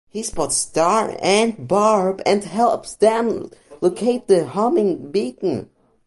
He spots Star and Barb and helps them locate the homing beacon.